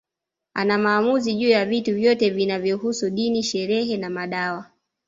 Ana maamuzi juu ya vitu vyote vinavyohusu dini sherehe na madawa